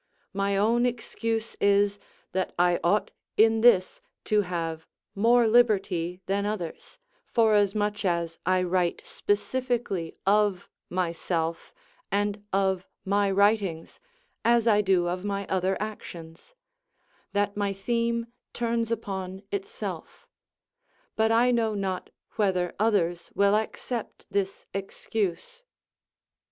My own excuse is, that I ought in this to have more liberty than others, forasmuch as I write specifically of myself and of my writings, as I do of my other actions; that my theme turns upon itself; but I know not whether others will accept this excuse.